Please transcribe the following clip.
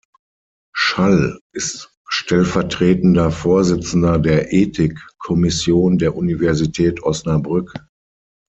Schall ist stellvertretender Vorsitzender der Ethik-Kommission der Universität Osnabrück.